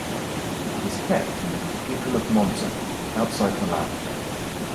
It is kept in the Cathedral of Monza, outside Milan.